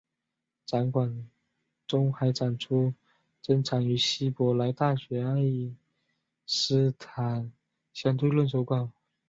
展馆中还展出了珍藏于希伯来大学的爱因斯坦相对论手稿。